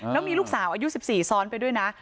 แล้วมีลูกสาวอายุ๑๔ซ้อนไปด้วยนะ